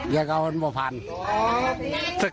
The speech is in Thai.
เยอะเง้อมันพอพันธุ์